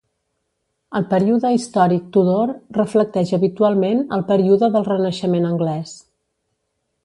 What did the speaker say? El període històric Tudor reflecteix habitualment el període del Renaixement anglès.